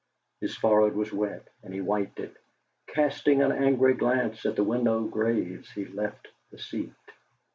His forehead was wet, and he wiped it. Casting an angry glance at the Winlow graves, he left the seat.